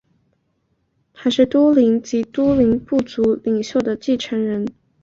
他是都灵及都灵部族领袖的继承人。